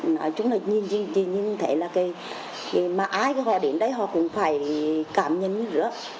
nói chung là nhìn thấy là cái mà ai họ đến đây họ cũng phải cảm nhận như rửa